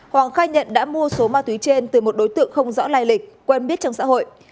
hoàng khai nhận đã mua số ma túy trên từ một đối tượng không rõ lai lịch quen biết trong xã hội